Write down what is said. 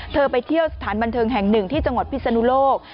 ไปเที่ยวสถานบันเทิงแห่งหนึ่งที่จังหวัดพิศนุโลก